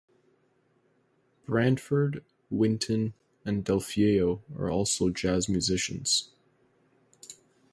Branford, Wynton, and Delfeayo are also jazz musicians.